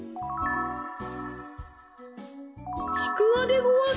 ちくわでごわす。